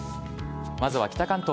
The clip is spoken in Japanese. まずは北関東。